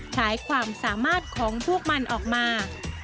ใช้ความสามารถของพวกมันออกมา